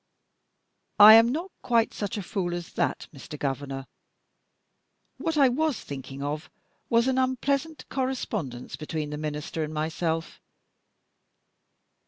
"I am not quite such a fool as that, Mr. Governor. What I was thinking of was an unpleasant correspondence between the Minister and myself.